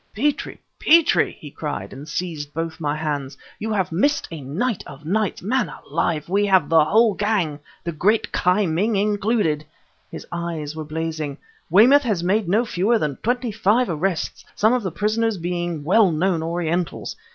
"Petrie! Petrie!" he cried, and seized both my hands "you have missed a night of nights! Man alive! we have the whole gang the great Ki Ming included!" His eyes were blazing. "Weymouth has made no fewer than twenty five arrests, some of the prisoners being well known Orientals.